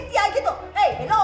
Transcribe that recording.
kamu jangan ngeliat sembahangan ya